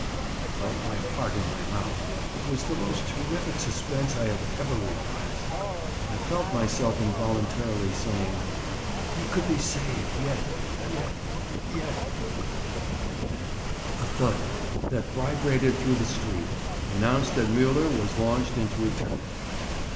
I felt my heart in my mouth; it was the most terrific suspense I had ever realized. I felt myself involuntarily saying, "He could be saved YET, YET, YET;" and then a thud, that vibrated through the street, announced that Müller was launched into eternity.